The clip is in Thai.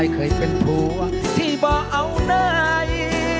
เคยเป็นผัวที่บ่เอาไหน